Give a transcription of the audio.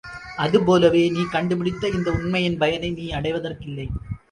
அது போலவே, நீ கண்டு பிடித்த இந்த உண்மையின் பயனை நீ அடைவதற்கில்லை.